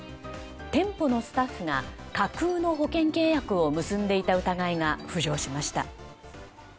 店舗のスタッフが架空の保険契約を結んでいた疑いが浮上しました。